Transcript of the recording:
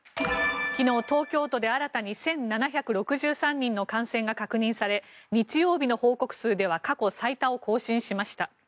昨日、東京都で新たに１７６３人の感染が確認され日曜日の報告数では過去最多を更新しました。